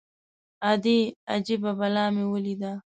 _ادې! اجبه بلا مې وليده.